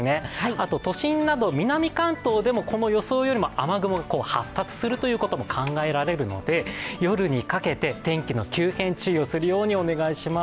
あと都心など南関東でもこの予想よりも雨雲が発達するということも考えられるので、夜にかけて天気の急変、注意をするようにお願いします。